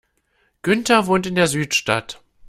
Günther wohnt in der Südstadt.